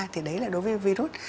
thì đấy là đối với virus